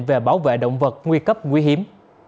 về bảo vệ động vật nguy cấp nguy hiểm